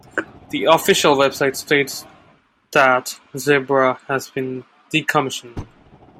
The official website states that "Zebra has been decommissioned".